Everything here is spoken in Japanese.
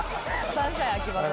サンシャイン秋葉さん。